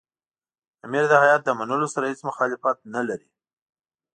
امیر د هیات د منلو سره هېڅ مخالفت نه لري.